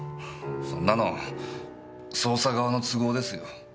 そんなの捜査側の都合ですよ。